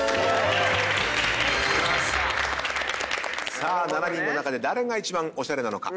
さあ７人の中で誰が一番おしゃれなのか。